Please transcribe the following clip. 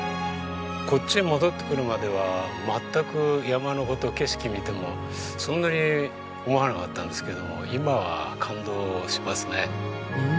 こっちに戻ってくるまでは全く山の事景色見てもそんなに思わなかったんですけども今は感動しますね。